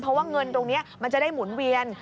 เพราะว่าเงินตรงนี้มันจะได้หมุนเวียน